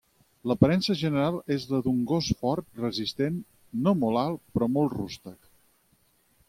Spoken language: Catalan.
L'aparença general és la d'un gos fort i resistent, no molt alt però molt rústec.